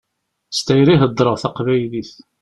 S tayri i heddṛeɣ taqbaylit.